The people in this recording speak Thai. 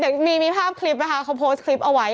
อันนี้มีภาพคลิปนะคะเขาโพสต์ธริบเอาไว้